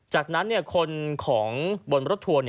จากนั้นคนของบนรถทัวร์